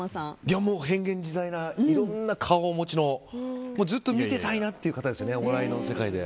変幻自在ないろんな顔をお持ちのずっと見てたいなという方ですねお笑いの世界で。